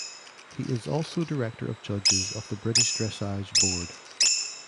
He is also director of Judges of the British Dressage Board.